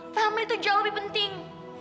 aduh family itu jauh lebih penting